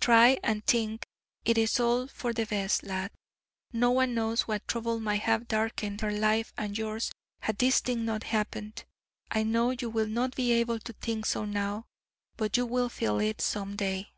Try and think it is all for the best, lad. No one knows what trouble might have darkened her life and yours had this thing not happened. I know you will not be able to think so now, but you will feel it so some day."